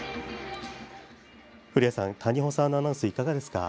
古谷さん、谷保さんのアナウンスいかがですか？